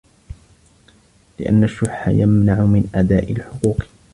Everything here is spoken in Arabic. لِأَنَّ الشُّحَّ يَمْنَعُ مِنْ أَدَاءِ الْحُقُوقِ